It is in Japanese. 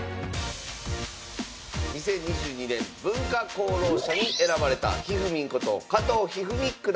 ２０２２年文化功労者に選ばれたひふみんこと加藤一二三九段。